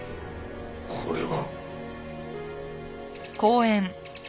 これは。